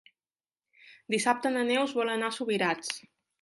Dissabte na Neus vol anar a Subirats.